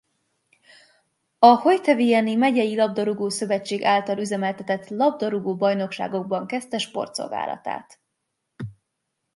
A Haute-Viennei megyei Labdarúgó-szövetség által üzemeltetett labdarúgó bajnokságokban kezdte sportszolgálatát.